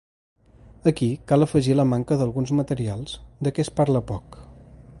Aquí cal afegir la manca d’alguns materials de què es parla poc.